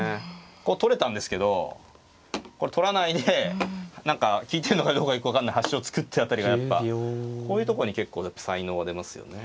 こう取れたんですけど取らないで何か利いてるのかどうかよく分かんない端を突くって辺りがやっぱこういうとこに結構やっぱ才能が出ますよね。